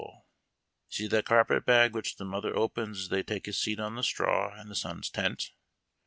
ble. See that carpet bag which the mother opens, as they take a sea on he t raw in the son's tent